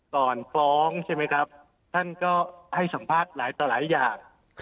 ก่อนฟ้องใช่ไหมครับท่านก็ให้สัมภาษณ์หลายต่อหลายอย่าง